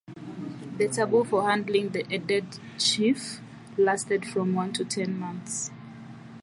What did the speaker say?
The taboo for handling a dead chief lasted from one to ten months.